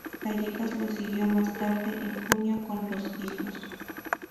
Callejas lo siguió más tarde, en junio, con los hijos.